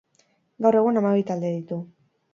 Gaur egun hamabi talde ditu.